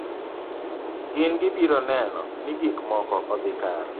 Gin gibiro neno ni gik moko odhi kare.